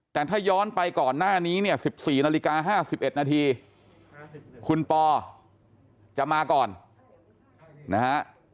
แต่ถ้าย้อนไปก่อนหน้านี้เนี่ย๑๔นาฬิกา๕๑นาทีคุณปอจะมาก่อนนะฮะ